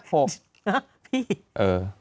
๕๖พี่